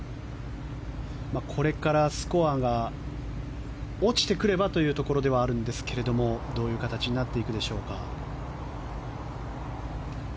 これからスコアが落ちてくればというところではあるんですけどもどういう形になっていくでしょうか。